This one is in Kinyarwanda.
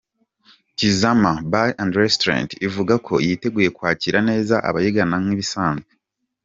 Tizama Bar&Restaurant ivuga ko yiteguye kwakira neza abayigana nk’ibisanzwe.